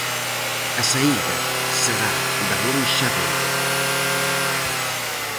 A saída será da lonxa vella.